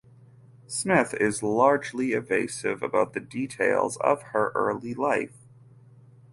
Smith is largely evasive about the details of her early life.